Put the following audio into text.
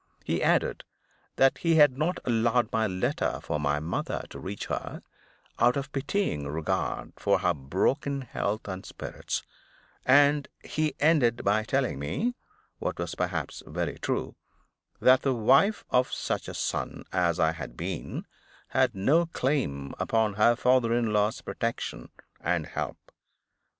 He added that he had not allowed my letter for my mother to reach her, out of pitying regard for her broken health and spirits; and he ended by telling me (what was perhaps very true) that the wife of such a son as I had been, had no claim upon her father in law's protection and help.